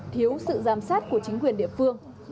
thiếu sự giám sát của chính quyền địa phương